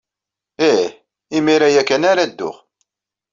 Ih. Imir-a ya kan ara dduɣ.